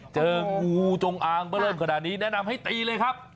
เจองูจงอางเบอร์เริ่มขนาดนี้แนะนำให้ตีเลยครับ